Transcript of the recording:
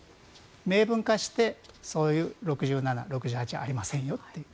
明文化して、そういう６７、６８ありませんよという。